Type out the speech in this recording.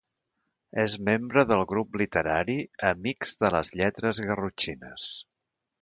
És membre del grup literari Amics de les Lletres Garrotxines.